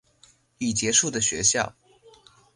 已结束的学校